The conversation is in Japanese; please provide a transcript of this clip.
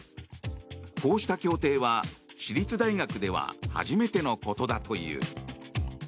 こうした協定は、私立大学では初めてのことだという。